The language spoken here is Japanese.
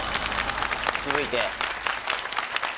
続いて。